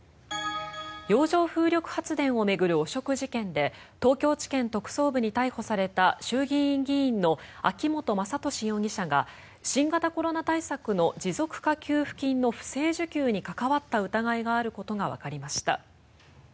洋上風力発電を巡る汚職事件で東京地検特捜部に逮捕された衆議院議員の秋本真利容疑者が新型コロナ対策の持続化給付金の不正請求に関わった疑いがあることがわかりました。